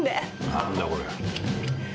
何だこりゃ。